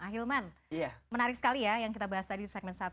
ahilman menarik sekali ya yang kita bahas tadi di segmen satu